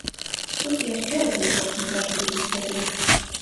Хоць і яшчэ адзін год мы пражылі без цябе.